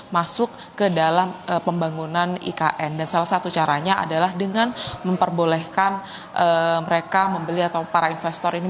masuk ke dalam pembangunan ikn dan salah satu caranya adalah dengan memperbolehkan mereka membeli atau para investor ini